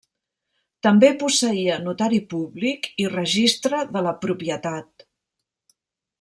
També posseïa notari públic i Registre de la propietat.